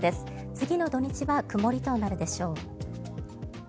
次の土日は曇りとなるでしょう。